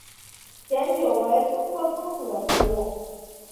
碱韭为葱科葱属的植物。